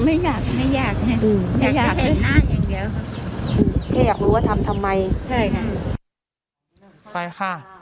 แค่อยากรู้ว่าทำทำไม